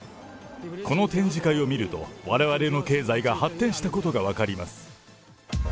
この展示会を見ると、われわれの経済が発展したことが分かります。